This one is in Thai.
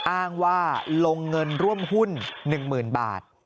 อ้างว่าลงเงินร่วมหุ้น๑๐๐๐บาท